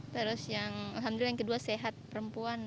terus yang kedua sehat perempuan